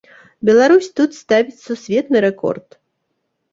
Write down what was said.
Беларусь тут ставіць сусветны рэкорд!